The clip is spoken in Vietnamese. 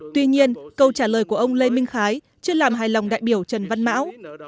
tuy nhiên câu trả lời của ông lê minh khái chưa làm hài lòng đại biểu trần văn mão